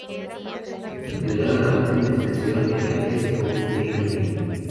Es considerada la última estación de la East Coast Main Line.